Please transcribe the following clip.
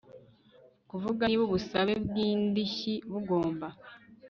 kuvuga niba ubusabe bw indishyi bugomba